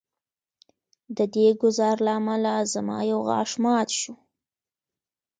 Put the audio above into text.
د دې ګزار له امله زما یو غاښ مات شو